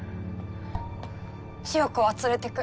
千世子は連れてく。